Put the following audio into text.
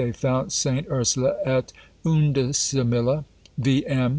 they found _St. Ursula et Undecimilla V.